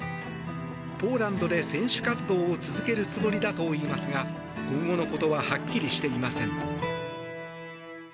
ポーランドで選手活動を続けるつもりだといいますが今後のことははっきりしていません。